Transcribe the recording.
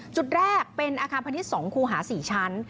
จุดแรกเป็นอาคารพาณิชย์๒คูหา๔ชั้น